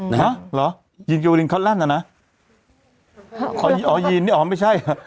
นะฮะเหรอยีนเกลวอลินเขาเล่นแล้วนะอ๋อยีนนี่อ๋อไม่ใช่